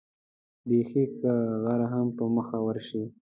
بېخي که غر هم په مخه ورشي.